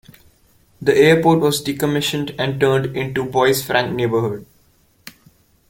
The airport was decommissioned and turned into the Bois-Franc neighbourhood.